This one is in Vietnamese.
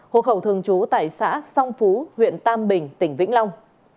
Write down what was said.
hộ khẩu thường trú tại xã song phú huyện tam bình tỉnh vĩnh long